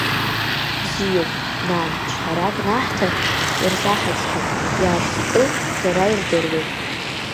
Бзиоуп, нан, ҿҳәарак наҳҭар, ирзаҳацҳап, иаашьҭтәу дара ирдыруеит…